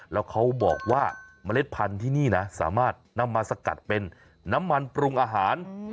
แล้วเขาบอกว่าเมล็ดพันธุ์ที่นี่นะสามารถนำมาสกัดเป็นน้ำมันปรุงอาหาร